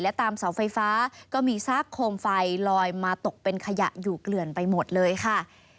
และตามเสาไฟฟ้าก็มีซากโคมไฟลอยมาตกเป็นขยะอยู่เกลื่อนไปหมดเลยค่ะ